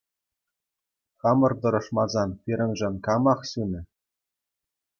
Хамӑр тӑрӑшмасан пирӗншӗн камах ҫунӗ?